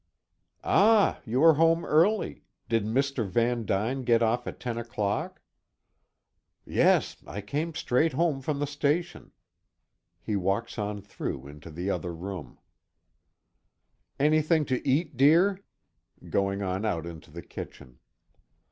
"Ah! you are home early! Did Mr. Van Duyn get off at ten o'clock?" "Yes, I came straight home from the station." He walks on through into the other room "Anything to eat, dear?" going on out into the kitchen.